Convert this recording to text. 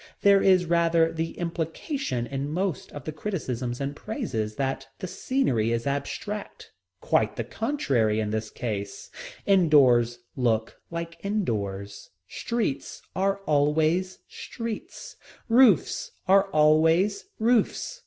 There is rather the implication in most of the criticisms and praises that the scenery is abstract. Quite the contrary is the case. Indoors looks like indoors. Streets are always streets, roofs are always roofs.